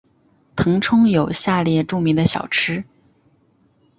腾冲有下列著名的小吃。